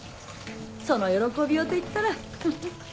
その喜びようといったらフフフ。